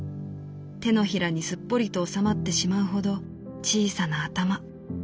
掌にすっぽりと収まってしまうほど小さな頭。